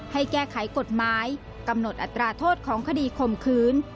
ให้แก้ไขกฎหมายกำหนดอัตราโทษของคดีข่มขืน